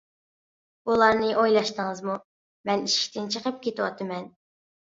بۇلارنى ئويلاشتىڭىزمۇ؟ مەن ئىشىكتىن چىقىپ كېتىۋاتىمەن.